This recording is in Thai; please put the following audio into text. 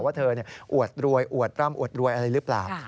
ว่าเธออวดรวยอวดร่ำอวดรวยอะไรหรือเปล่า